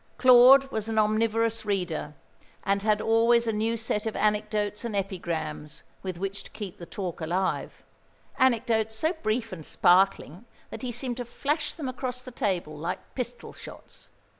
Claude was an omnivorous reader, and had always a new set of anecdotes and epigrams with which to keep the talk alive, anecdotes so brief and sparkling that he seemed to flash them across the table like pistol shots.